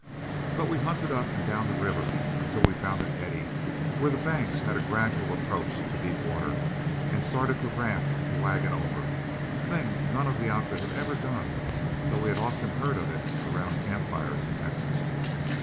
But we hunted up and down the river until we found an eddy, where the banks had a gradual approach to deep water, and started to raft the wagon over a thing none of the outfit had ever seen done, though we had often heard of it around camp fires in Texas.